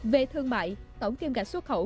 về thương mại tổng kiêm gạch xuất khẩu